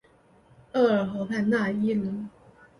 厄尔河畔讷伊人口变化图示